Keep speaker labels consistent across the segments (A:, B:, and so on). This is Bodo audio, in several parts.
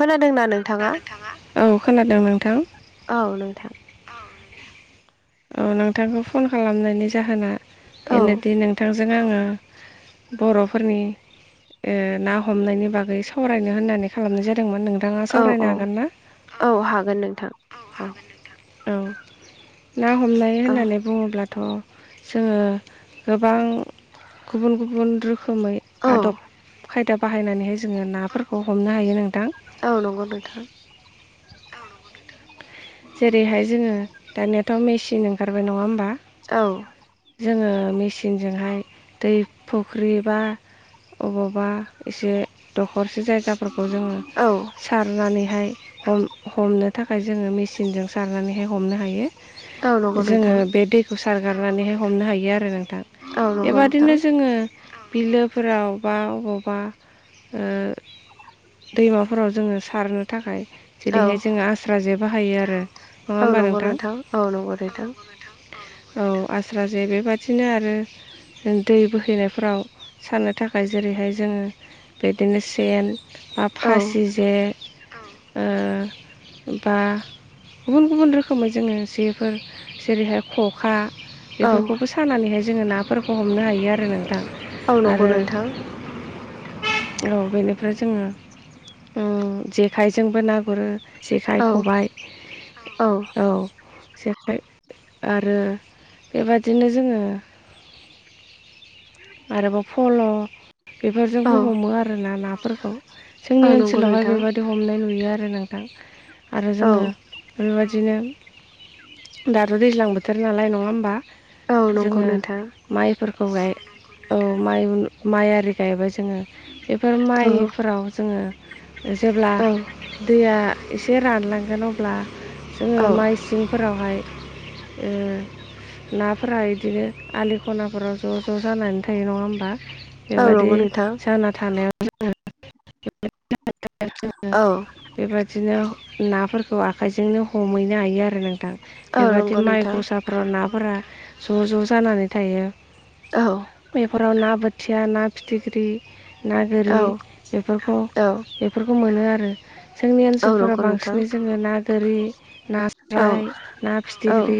A: खोनादोंना नों
B: औ खोनादों नोंथां।
A: औ नोंथां।
B: औ नोंथांखौ फन खालामनायनि जाहोना
A: औ
B: बेनोदि नोंथांजों आङो बर'फोरनि ओ ना हमनायनि बागै सावरायनो होननानै खालामनाय जादोंमोन नों
A: औ औ औ हागोन नोंथां औ।
B: औ ना हमनाय
A: औ
B: होननानै बुङोब्लाथ' जोङो गोबां गुबुन गुबुन रोखोमै
A: औ
B: आदब खायदा बाहायनानैहाय जोङो नाफोरखौ हमनो हायो नोंथां।
A: औ नंगौ नोंथां।
B: जेरैहाय जोङो दानियाथ' मेसिन ओंखारबाय नङा होमबा
A: औ
B: जोङो मेचिनजोंहाय दै फुख्रि बा अबावबा एसे दखरसे जायगाफोरखौ जोङो
A: औ
B: सारनानैहाय हम हमनो थाखाय जोङो मेचिनजों सारनानैहाय हमनो हायो
A: औ नंगौ
B: जोङो
A: नोंथां
B: बे दैखौ सारगारनानैहाय हमनो हायो आरो नों
A: औ नंगौ नोंथां
B: बेबादिनो जोङो बिलोफोराव बा अबावबा ओ दैमाफोराव जोङो सारनो थाखाय
A: औ
B: जेरैहाय जोङो आस्रा जे बाहायो आरो नङा
A: औ
B: होमबा
A: नंगौ नोंथां औ नंगौ नोंथां
B: औ आस्रा जे बेबादिनो आरो दै बोहैनायफोराव सारनो थाखाय जेरैहाय जोङो बिदिनो सेन बा
A: औ
B: फासि जे ओ बा गुबुन गुबुन रोखोमै जोङो जे फोर जेरैहाय खखा
A: औ
B: बेफोरखौबो सा खानानैहाय जोङो नाफोरखौ हमनो हायो आरो नोंथां
A: औ नंगौ
B: आरो
A: नोंथां
B: औ बेनिफ्राय जोङो ओम जेखाइजोंबो ना गुरो जेखाइ
A: औ औ
B: जेखाय आरो बेबादिनो जोङो
A: [inaudible]
B: आरोबाव फल' बेफोरजोंबो हमो आरोना नाफोरखौ
A: औ
B: जोंनि
A: नंगौ
B: ओनसोलावहाय
A: नोंथां
B: बेबायदि बि हमनाय नुयो आरो नोंथां आरो
A: औ
B: जोङो बेबायदिनो दाथ' दैज्लां बोथोर नालाय नङा होमबा
A: औ नंगौ
B: जोङो
A: नोंथां
B: माइफोरखौ गाय औ माइ माइ आरि गायबाय जोङो बेफोर
A: औ
B: माइफोराव जोङो जेब्ला
A: औ
B: दैया एसे रानलांगोन अब्ला
A: औ
B: जोङो माइ सिंफोरावहाय नाफोरा बिदिनो आलि खनाफोराव ज' ज' जानानै थायो नङा होमबा
A: औ नंगौ
B: बेबादि
A: नोंथां
B: जाना थानायाव [unintelligible]
A: औ
B: बेबादिनो नाफोरखौ आखाइजोंनो हमहैनो हायो आरो नों
A: औ
B: बेबायादि
A: नंगौ
B: माइ
A: नोंथां
B: गसा फोराव नाफोरा ज' ज' जानानै थायो
A: औ
B: बेफोराव ना बो थिया ना फिथिख्रि ना
A: औ
B: गोरि बेफोरखौ बेफोरखौ मोनो आरो जोंनि
A: औ औ
B: ओनसोलफोरा
A: नंगौ नोंथां
B: बांसिनै जोङो ना गोरि
A: औ
B: नास्राय ना
A: औ
B: फिथिख्रि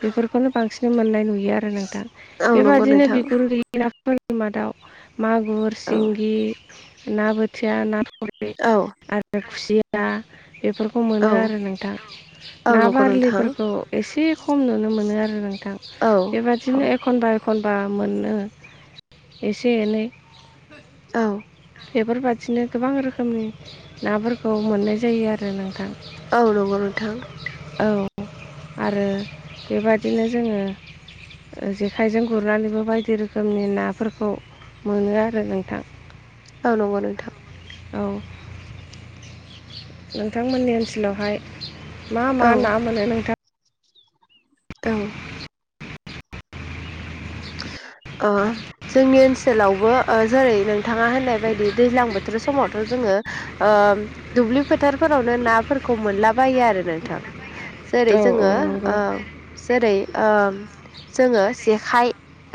B: बेफोरखौनो बांसिन मोननाय नुयो यो आरो नोंथां
A: औ नंगौ
B: बेबादिनो
A: नोंथां
B: बिगुर गैयि नाफोरनि मादाव मागुर
A: औ
B: सिंगि ना बोथिया ना थुरि
A: औ
B: आरो खुसिया बेफोरखौ
A: औ
B: मोनो आरो नोंथां
A: औ
B: ना
A: नंगौ नोंथां
B: बारलिफोरखौ एसे खम नुनो मोनो आरो नोंथां
A: औ
B: बेबादिनो एखनबा एखनबा मोनो एसे एनै
A: औ
B: बेफोरबादि बिदिनो गोबां रोखोमनि नाफोरखौ मोननाय जायो आरो नोंथां
A: औ नंगौ नोंथां
B: औ आरो बेबादिनो जोङो ओ जेखाइजों गुरनानैबो बायदि रोखोमनि नाफोरखौ मोनो आरो नोंथां
A: औ नंगौ नोंथां
B: औ नोंथांमोननि ओनसोलावहाय मा मा
A: औ
B: ना मोनो नोंथां
A: औ ओ जोंनि ओनसोलावबो ओ जेरै नोंथाङा होननाय बायदि दैज्लां बोथोर समावथ' जोङो ओम दुब्लि फोथारफोरावनो नाफोरखौ मोनलाबायो आरो नोंथां। जेरै
B: औ औ
A: जोङो
B: नंगौ
A: ओ जेरै ओ जोङो जेखाइ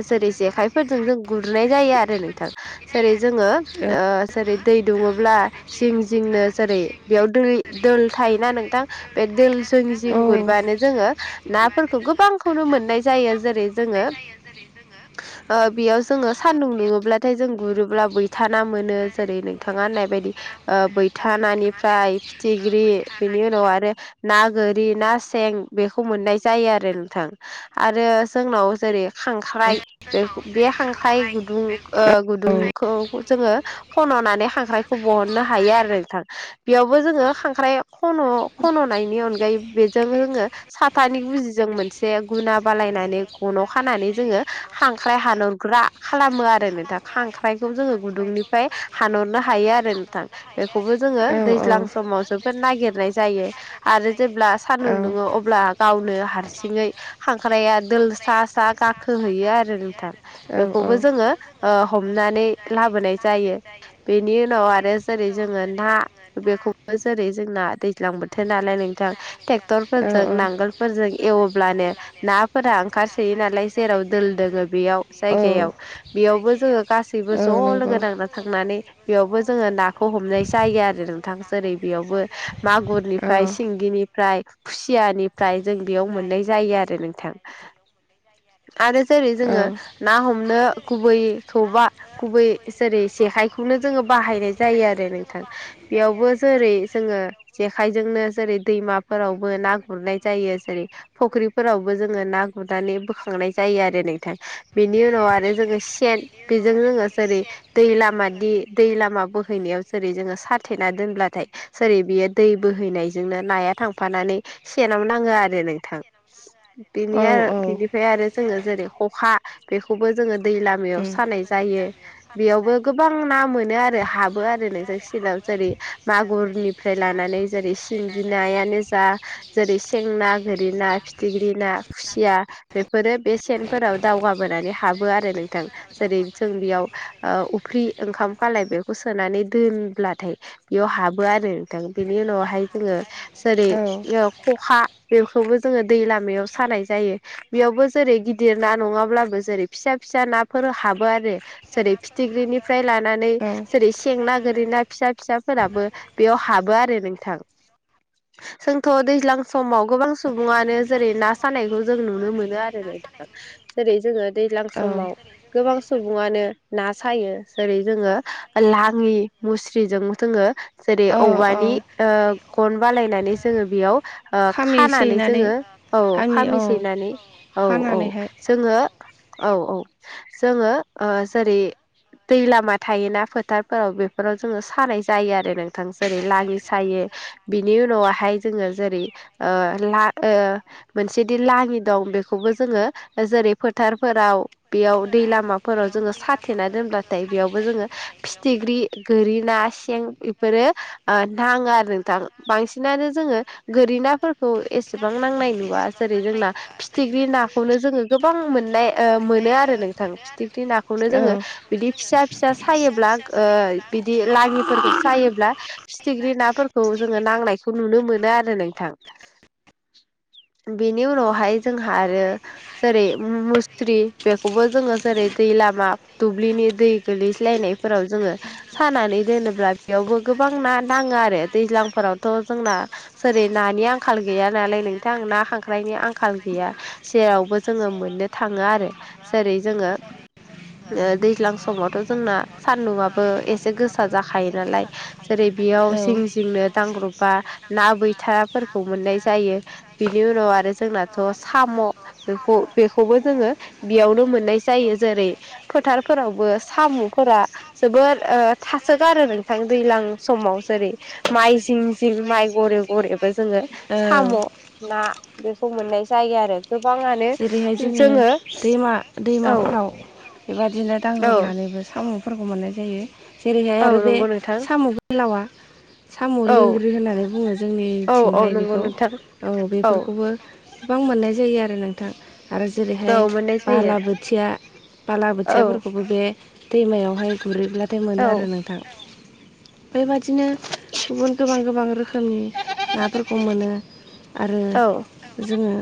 A: जेरै जेखायफोरजों जों गुरुनाय जायो आरो नोंथां जेरै जोङो
B: औ
A: ओ जेरै दै दुङोब्ला जिं जिंनो जेरै बेयाव दै दोल थायोना नोंथां। बे दोल जों
B: औ
A: जिं गुरबानो जोङो नाफोरखौ गोबांखौनो मोननाय जायो जेरै जोङो ओ बेयाव जोङो सान्दुं दुङोब्लाथाय जों गुरोब्ला बैथाना मोनो जेरै नोंथाङा होननाय बायदि। ओ बैथानानिफ्राय फिथिग्रि बेनि उनाव आरो ना गोरि ना सें बेखौ मोननाय जायो आरो नोंथां। आरो जोंनाव जेरै खांख्राइ बे बे खांख्राइ गुदुं ओ
B: औ
A: गुदुंखौ जोङो खन'नानै खांख्राइ बहननो हायो आरो नोंथां। बेयावबो जोङो खांख्राइ खन' खन'नायनि अनगायै बेजों जोङो साथानि गुजिजों मोनसे गुना बालायनानै गनाव खानानै जोङो खांख्राइ हानरग्रा खालामो आरो नोंथां खांख्राइखौ जोङो गुदुंनि [unintelligible] फ्राय हानहरनो हायो आरो नोंथां। बेखौबो जोङो
B: नोंथां
A: दैज्लां समाव जोबोद नागिरनाय जायो। आरो जेब्ला सान्दुं दुङो अब्ला गावनो हारसिङै खांख्राया दोलसा सा गाखोहैयो आरो नोंथां। बेखौबो जोङो ओ हमनानै लाबोनाय जायो। बेनि उनाव आरो जेरै जोङो ना बेखौबो जेरै जोंना दैज्लां बोथोर नालाय नोंथां। ट्रेक्टरफोरजों नांगोलफोरजों एवब्लानो नाफोरा ओंखार [unintelligible] सोयो नालाय जेराव दोल दोङो बेयाव जायगायाव।
B: बेयावबो
A: बेयावबो जोङो गासैबो ज' लोगो नांना थांनानै। बेयावबो जोङो नाखौ हमनाय जायो आरो नोंथां जेरै बेयावबो मागुरनि फ्राय सिंगिनिफ्राय खुसियानिफ्राय जों बेयाव मोननाय जायो आरो नोंथां। आरो जेरै जोङो ना हमनो। गुबैखौबा गुबै जेरै जेखायखौनो जोङो बाहायनाय जायो आरो नोंथां। बेयावबो जेरै जोङो जेखाइजोंनो जेरै दैमाफोरावबो ना गुरनाय जायो जेरै फुख्रिफोरावबो जोङो ना गुरनानै [unintelligible] खांनाय जायो आरो नोंथां बेनि उनाव आरो जोङो सेन बेजों जोङो जेरै दै लाम दि दै लामा बोहैनायाव जेरै जोङो साथेना दोनब्लाथाय सोरै बियो दै बोहैनायजोंनो नाया थांफानानै सेनाव नाङो आरो नोंथां बिनि
B: औ
A: आरो
B: औ
A: बिनि फ्राय आरो जोङो जेरै खखा बेखौबो जोङो दै लामायाव सानाय जायो बेयावबो गोबां ना मोनो आरो हाबो आरो नोंजों सिनाव जेरै मागुरनिफ्राय लानानै जेरै सिंगि नायानो जा जेरै सें ना गोरि ना फिथिख्रि ना खुसिया बेफोरो बे सेनफोराव दावगाबोनानै हाबो आरो नोंथां। जेरै जों बेयाव उफ्रि ओंखाम खालाय बेखौ सोनानै
B: औ
A: दोनब्लाथाय। बेयाव हाबो आरो नोंथां बेनि उनावहाय जोङो जेरै ओ खखा बेखौबो जोङो दै लामायाव सानाय जायो। बेयावबो जेरै गिदिर ना नङाब्लाबो जेरै फिसा फिसा नाफोर हाबो आरो जेरै फिथिख्रिनिफ्राय लानानै
B: औ
A: जेरै [unintelligible] सें ना गोरै ना फिसा फिसाफोराबो बेयाव हाबो आरो नोंथां। जोंथ' दैज्लां समाव गोबां सुबुङानो जेरै ना सानायखौ जों नुनो मोनो [unintelligible] आरो जेरै जोङो दैज्लां
B: औ
A: समाव गोबां सुबुङानो ना सायो जेरै जोङो लाङि मुस्रिजों जोङो जेरै औवानि ओ गन बानायायनानै जोङो बेयाव खानानै जोङो औ फामिसैनानै औ औ।
B: खानानैहाय
A: जोङो औ औ जोङो ओ जेरै दै लामा थायोना फोथारफोराव बेफोराव जोङो सानाय जायो आरो नोंथां, जेरै लाङि सायो। बिनि उनावहाय जोङो जेरै ओ ला- मोनसेदि लाङि दं बे बेखौबो जोङो जेरै फोथारफोराव बेयाव दै लामाफोराव जोङो साथेना दोनब्लाथाय बेयावबो जोङो फिथिख्रि गोरि ना सें बेफोरो नाङो ओ आरो नोंथां बांसिनानो जोङो गोरि ना [unintelligible] एसेबां नांनाय नुवा जेरै जोंना [unintelligible] फिथिख्रि नाखौनो जोङो
B: नाखौनो
A: गोबां मोननाय ओ मोनो आरो नोंथां फिथिख्रि नाखौनो जोङो बिदि फिसा फिसा सायोब्ला ओ बिदि लागिफोरखौ सायोब्ला फिथिख्रि नाफोरखौ जोङो नांनायखौ नुनो मोनो आरो नोंथां। बेनि उनावहाय जोंहा आरो जेरै मुस्रि बेखौबो जोङो जेरै दै लामा दुब्लिनि दै गोलैज्लायनाय -फोराव जोङो सानानै दोनोब्ला बेयावबो गोबां ना नाङो आरो दैज्लांफोरावथ' जोंना जेरै नानि आंखाल गैया नालाय नोंथां ना, खांख्राइनि आंखाल गैया सेरावबो जोङो मोननो थाङो आरो जेरै जोङो
B: ओ
A: दैज्लां समावथ' जोंना सान्दुंआबो एसे गोसा जाखायो नालाय। जेरै बेयाव जिं जिंनो दांग्रबबा ना बैथाफोरखौ मोननाय जायो बिनि उनाव आरो जोंना थ' साम' बेखौ- बेखौबो जोङो बेयावनो मोननाय जायो जेरै फोथारफोरावबो साम'फोरा जोबोर ओ थासोगारो नोंथां दैलां समाव जेरै माइ जिं -जिं माइ गरे- गरे जोङो साम' ना बेखौ मोननाय जायो आरो गोबां
B: जेरैहाय जोङो दैमा-
A: औ
B: दैमाफ्राव बेबदिनो
A: औ
B: दांग्रोमनानैबो साम' -फोरफोरखौ मोननाय जायो जेरैहाय
A: औ
B: आरो बे
A: नंगौ नोंथां
B: साम' गोलावा साम'
A: औ
B: लेंग्रि होननानै बुङो
A: औ औ
B: जोंनिथिंहाय
A: नंगौ
B: बेखौ
A: नोंथां
B: औ बेफोरखौबो गोबां मोननाय जायो आरो नोंथां आरो
A: औ
B: जेरैहाय
A: मोननाय जायो
B: बालाबोथिया बाला
A: औ
B: बोथियाफोरखौबो बे दैमायावहाय गुरहैब्लाथाय
A: औ
B: मोनो आरो नोंथां। बेबादिनो गुबुन गोबां गोबां रोखोमनि नाफोरखौ मोनो आरो
A: औ
B: जोङो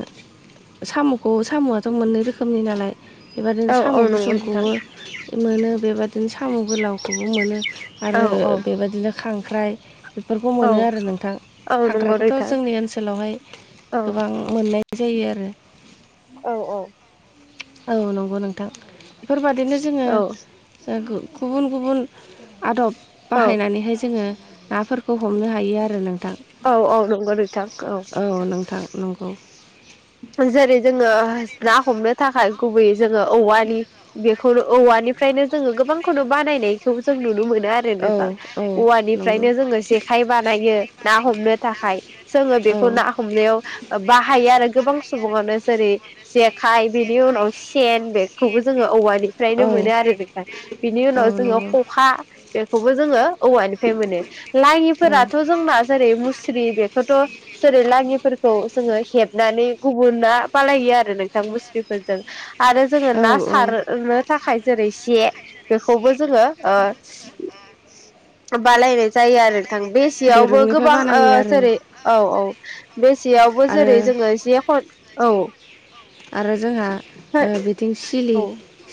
B: साम'खौ साम'आथ' मोननै रोखोमनि नालाय बेबायदिनो
A: औ
B: साम'
A: औ नंगौ नोंथां
B: गुसुंखौबो मोनो बेबायदिनो साम' गोलावखौबो मोनो
A: औ
B: आरो
A: औ
B: बेबायदिनो खांख्राइ बेफोरखौ
A: औ
B: मोनो आरो नोंथां।
A: औ नंगौ
B: खांख्रायखौथ'
A: नोंथां
B: जोंनि ओनसोलावहाय
A: औ
B: गोबां मोननाय जायो आरो
A: औ औ।
B: औ नंगौ नोंथां। बेफोरबादिनो जोङो
A: औ
B: गुबुन गुबुन आदब
A: औ
B: बाहायनानैहाय जोङो नाफोरखौ [unintelligible] हमनो हायो आरो नोंथां
A: औ नंगौ नोंथां
B: औ नोंथां नंगौ।
A: जेरै जोङो ना हमनो थाखाय गुबैयै जोङो औवनि बे [unintelligible] औवानिफ्रायनो जोङो गोबांखौनो बानायनायखौ जों नुनो मोनो आरो [unintelligible] औवानिफ्रायनो जोङो जेखाय बानायो ना हमनो थाखाय जोङो बेखौ ना हमनायाव बाहायो आरो गोबां सुबुङानो जेरै जेखाइ बेनि उनाव सेन बे [unintelligible] जोङो औवानिफ्रायनो मोनो आरो नोंथां। बेनि उनाव जोङो खखा बेखौबो जोङो औवानिफ्राय मोनो
B: जोङो औवानिफ्राय मोनो
A: लाङिफोराथ'
B: लानाथ'
A: जोंना जारै मुस्रि बेखौथ' जेरै लाङिफोरखौ जोङो हेबनानै गुबुना बालायो आरो नोंथां मुस्रिफोरजों। आरो जोङो
B: औ
A: ना सार ओनो थाखाय जेरै से बेखौबो जोङो ओ बालायनाय जायो आरो नोंथां। बे जेयावबो
B: दिरुंनिफ्राय
A: गोबां ओ
B: बानायो आरो
A: जेरै औ औ बे जेयावबो
B: आरो
A: जेरै जोङो जे खन औ
B: आरो जोंहा ओ बिथिं सिलि
A: औ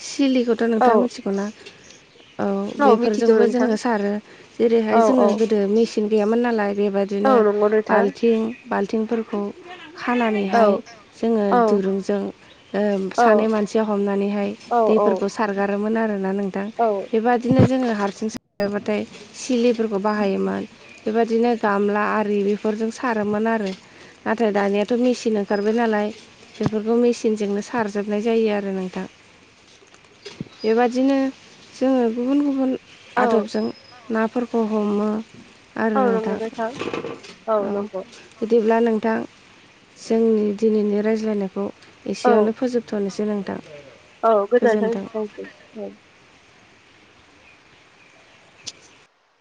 B: सिलिखौथ'
A: औ
B: नोंथाङा मिथिगौ ना। औ
A: मिथिगौ
B: बेफोरजोंबो
A: नोंथां
B: जोङो सारो।
A: औ
B: जेरैहाय जोङो
A: औ
B: गोदो मेचिन गैयामोन नालाय
A: औ
B: बेबायदिनो
A: नंगौ नोंथां
B: बाल्थिं बाल्थिंफोरखौ
A: औ
B: खानानैहाय जोङो
A: औ
B: दिरुंजों ओ
A: औ
B: सानै मानसिया हमनानैहाय
A: औ
B: दैफोरखौ सारगारोमोन आरो ना नों
A: औ
B: बेबादिनो जोङो हारसिं सबाथाय सिलिफोरखौ बाहायोमोन। बेबादिनो गामला आरि बेफोरजों सारोमोन आरो। नाथाय दानियाथ' मेचिन ओंखारबाय नालाय। सेफोरखौ मेसिनजोंनो सारजोबनाय जायो आरो नोंथां। बेबादिनो जोङो गुबुन गुबुन
A: औ
B: आदबजों नाफोरखौ हमो।
A: औ नंगौ नोंथां। औ नंगौ।
B: बिदिब्ला नोंथां जोंनि दिनैनि रायज्लायनायखौ
A: औ
B: एसेयावनो फोजोब थ'नोसै नोंथां।
A: औ गोजानथों
B: गोजोन्थों
A: नोंथांनिसिम औ। [inaudible]